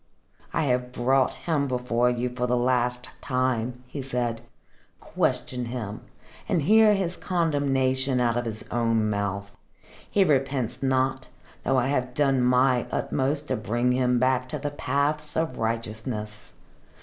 "I have brought him before you for the last time," he said. "Question him and hear his condemnation out of his own mouth. He repents not, though I have done my utmost to bring him back to the paths of righteousness.